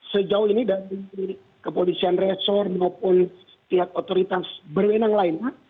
sejauh ini dari kepolisian resor maupun pihak otoritas berwenang lainnya